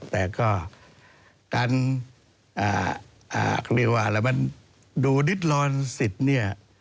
แต่ก็การดูดิดลอนสิทธิเนี่ย